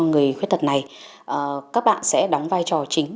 người khuyết tật này các bạn sẽ đóng vai trò chính